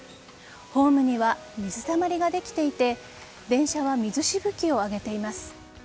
ホームには水たまりができていて電車は水しぶきを上げています。